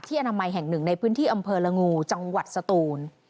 อนามัยแห่งหนึ่งในพื้นที่อำเภอละงูจังหวัดสตูน